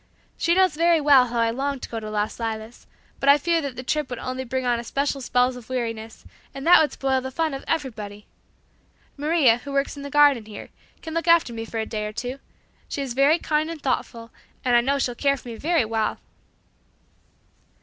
She knows very well how I long to go to 'Las Lilas' but I fear that the trip would only bring on an especial spell of weariness and that would spoil the fun of everybody. Maria, who works in the garden here, can look after me for a day or two. She is very kind and thoughtful, and I know she'll care for me very well."